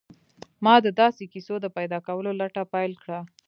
ما د داسې کيسو د پيدا کولو لټه پيل کړه.